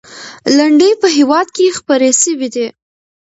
لنډۍ په هېواد کې خپرې سوي دي.